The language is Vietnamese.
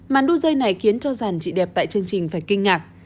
màn đu dây này khiến cho dàn trị đẹp tại chương trình phải kinh ngạc